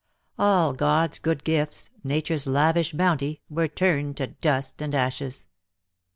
All God's good gifts, nature's lavish bounty, were turned to dust and ashes.